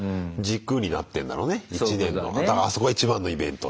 １年のだからあそこが一番のイベントで。